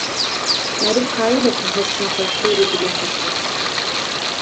meriv qayile ku hestên xwe têr û dilê xwe fireh bike.